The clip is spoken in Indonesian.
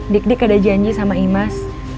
dikdik ada janji sama imas